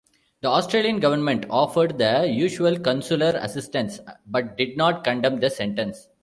The Australian government offered the usual consular assistance, but did not condemn the sentence.